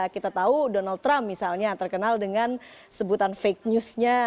kita tahu donald trump misalnya terkenal dengan sebutan fake newsnya